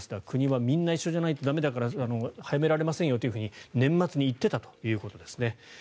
国はみんな一緒じゃないと駄目だから早められませんよと年末に言っていたということですね。